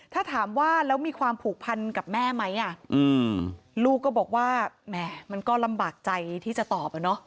ถ้าถามว่าแล้วมีความผูกพันกับแม่ไหมลูกก็บอกว่าแหมมันก็ลำบากใจที่จะตอบอ่ะเนอะ